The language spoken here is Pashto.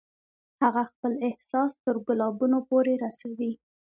هغه خپل احساس تر ګلابونو پورې رسوي